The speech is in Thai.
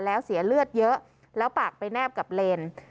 แล้วเสียเลือดเยอะแล้วปากไปแนบกับเลน